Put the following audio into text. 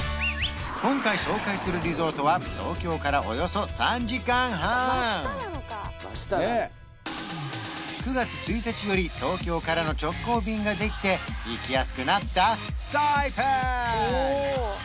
今回紹介するリゾートは９月１日より東京からの直行便ができて行きやすくなったサイパン！